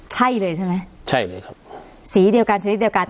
ใช่เลยใช่ไหมใช่เลยครับสีเดียวกันชนิดเดียวกัน